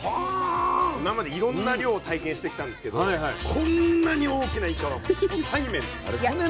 今までいろんな漁を体験してきたんですけどこんなに大きなイカは初対面でしたね。